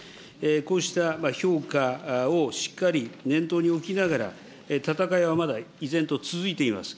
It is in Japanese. こうした評価をしっかり念頭に置きながら、闘いはまだ依然と続いています。